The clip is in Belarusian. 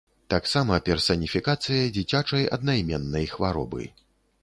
Таксама персаніфікацыя дзіцячай аднаіменнай хваробы.